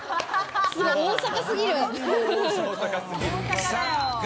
大阪過ぎる。